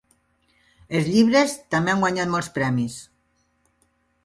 Els llibres també han guanyat molts premis.